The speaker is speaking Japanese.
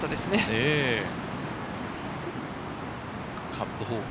カップ方向。